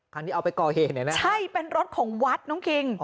ที่เอาไปก่อเหตุเนี่ยนะใช่เป็นรถของวัดน้องคิง